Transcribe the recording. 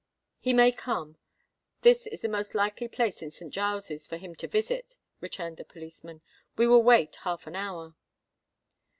"He may come: this is the most likely place in Saint Giles's for him to visit," returned the policeman. "We will wait half an hour."